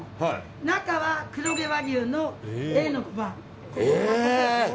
中は黒毛和牛のＡの５番。